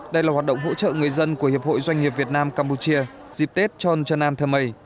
đây là hoạt động hỗ trợ người dân của hiệp hội doanh nghiệp việt nam campuchia dịp tết chon trần nam thơ mây